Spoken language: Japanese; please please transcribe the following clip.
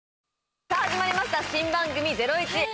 さぁ始まりました、新番組『ゼロイチ』。